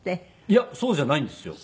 いやそうじゃないんですよ。